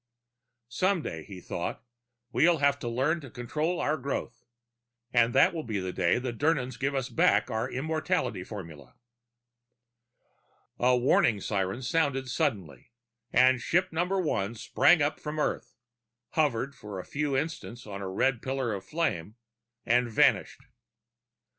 Some day, he thought, we'll have learned to control our growth. And that will be the day the Dirnans give us back our immortality formula. A warning siren sounded suddenly, and ship number one sprang up from Earth, hovered for a few instants on a red pillar of fire, and vanished.